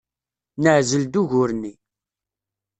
Neɛzel-d ugur-nni.